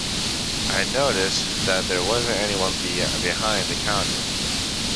I noticed that there wasn't anyone behind the counter.